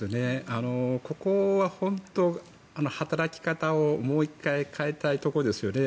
ここは本当、働き方をもう１回変えたいところですよね。